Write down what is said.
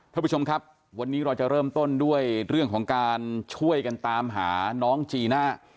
ท่านผู้ชมครับวันนี้เราจะเริ่มต้นด้วยเรื่องของการช่วยกันตามหาน้องจีน่า